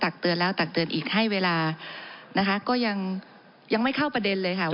เตือนแล้วตักเตือนอีกให้เวลานะคะก็ยังยังไม่เข้าประเด็นเลยค่ะว่า